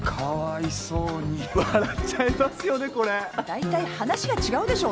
大体話が違うでしょ。